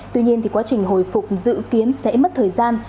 tuy nhiên quá trình hồi phục dự kiến sẽ mất thời gian